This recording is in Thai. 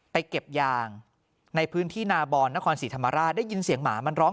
เก็บยางในพื้นที่นาบอนนครศรีธรรมราชได้ยินเสียงหมามันร้อง